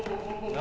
何？